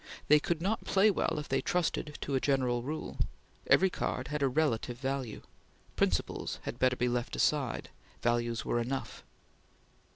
They could not play well if they trusted to a general rule. Every card had a relative value. Principles had better be left aside; values were enough.